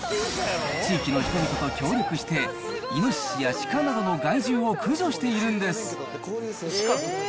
地域の人々と協力して、イノシシやシカなどの害獣を駆除しているんです。